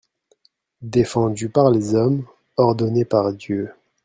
Défendu par les hommes, ordonné par Dieu.